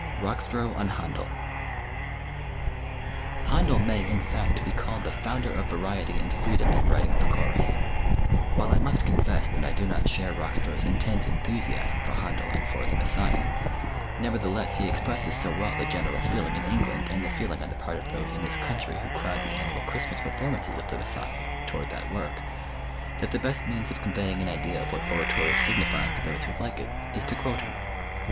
Rockstro on Händel. Händel may in fact be called the founder of variety and freedom in writing for chorus. While I must confess that I do not share Rockstro's intense enthusiasm for Händel and for "The Messiah," nevertheless he expresses so well the general feeling in England and the feeling on the part of those in this country who crowd the annual Christmas performances of "The Messiah," toward that work, that the best means of conveying an idea of what oratorio signifies to those who like it, is to quote him.